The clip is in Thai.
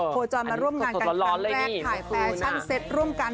โคจรมาร่วมงานกันครั้งแรกถ่ายแฟชั่นเซตร่วมกัน